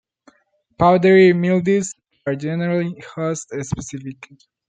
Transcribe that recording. Powdery mildews are generally host-specific.